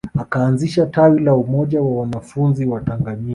Akaanzisha tawi la Umoja wa wanafunzi Watanganyika